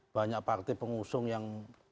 banyak partai pengusung yang